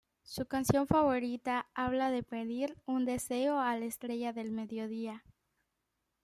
Su canción favorita habla de pedir un deseo a la estrella del mediodía.